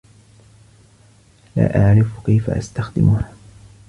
لا أعرف كيف أستخدمها.